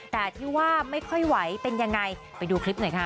แต่ที่ว่าไม่ค่อยไหวเป็นยังไงไปดูคลิปหน่อยค่ะ